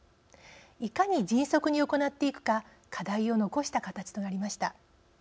いかに迅速に行っていくか課題を残した形となりました。